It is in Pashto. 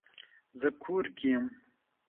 زه کور کې یم